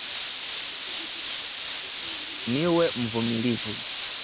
niwe mvumilivu